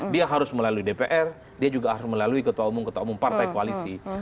dia harus melalui dpr dia juga harus melalui ketua umum ketua umum partai koalisi